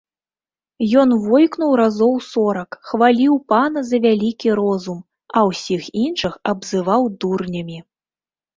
Ён войкнуў разоў сорак, хваліў пана за вялікі розум, а ўсіх іншых абзываў дурнямі.